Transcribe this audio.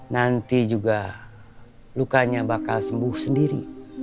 nanti juga lukanya bakal sembuh sendiri